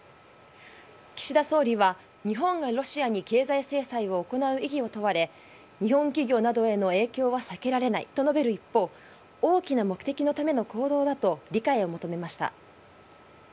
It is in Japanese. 岸田総理は、日本がロシアに経済制裁を行う意義を問われ、日本企業などへの影響は避けられないと述べる一方、大きな目的のための行動だと、理解を求めました。